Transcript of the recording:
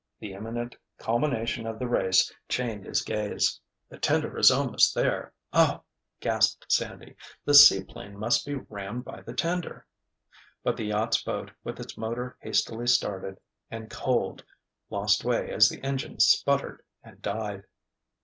The imminent culmination of the race chained his gaze. "The tender is almost there—oh!" gasped Sandy, "the seaplane must be rammed by the tender!" But the yacht's boat, with its motor hastily started, and cold—lost way as the engine sputtered and died!